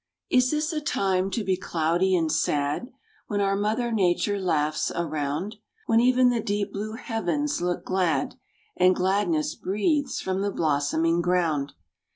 Is this a time to be cloudy and sad, When our mother Nature laughs around, When even the deep blue heavens look glad, And gladness breathes from the blossoming ground?